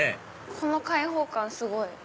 この開放感すごい！